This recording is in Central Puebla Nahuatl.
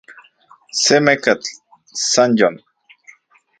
Se mekatl, san yon.